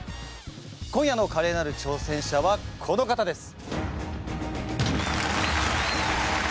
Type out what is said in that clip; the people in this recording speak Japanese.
今夜のカレーなる挑戦者はこの方です！